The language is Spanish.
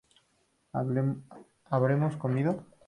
¿Habremos comido?